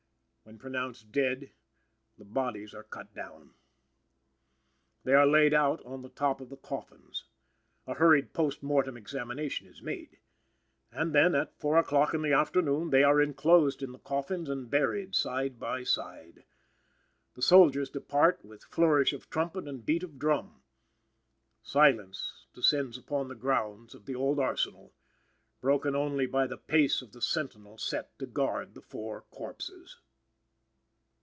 When pronounced dead, the bodies are cut down. They are laid out on the top of the coffins. A hurried post mortem examination is made. And, then, at four o'clock in the afternoon, they are inclosed in the coffins and buried side by side. The soldiers depart with flourish of trumpet and beat of drum. Silence descends on the grounds of the old Arsenal; broken only by the pace of the sentinel set to guard the four corpses.